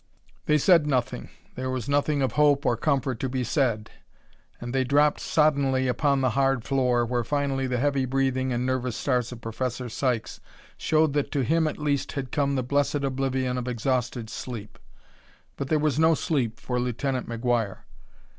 They said nothing there was nothing of hope or comfort to be said and they dropped soddenly upon the hard floor, where finally the heavy breathing and nervous starts of Professor Sykes showed that to him at least had come the blessed oblivion of exhausted sleep. But there was no sleep for Lieutenant McGuire.